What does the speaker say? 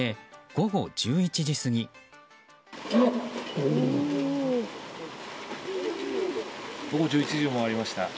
午後１１時を回りました。